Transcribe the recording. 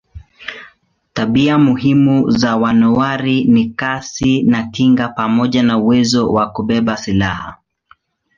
Tabia muhimu za manowari ni kasi na kinga pamoja na uwezo wa kubeba silaha.